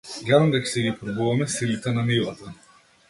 Гледам дека си ги пробуваме силите на нивата?